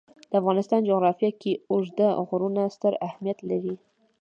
د افغانستان جغرافیه کې اوږده غرونه ستر اهمیت لري.